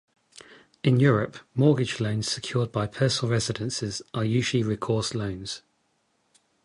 In Europe, mortgage loans secured by personal residences are usually recourse loans.